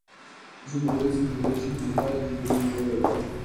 Es un partido de centro derecha, fundamentado en el liberalismo y pro europeo.